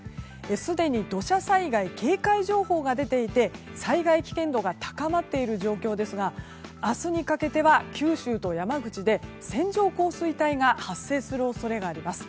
すでに土砂災害警戒情報が出ていて災害危険度が高まっている状況ですが明日にかけては九州と山口で線状降水帯が発生する恐れがあります。